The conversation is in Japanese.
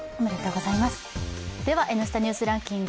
「Ｎスタ・ニュースランキング」